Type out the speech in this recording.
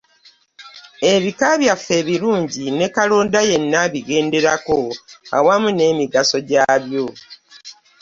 Ebika byaffe ebirungi ne kalonda yenna abigenderako awamu n’emigaso gyabyo.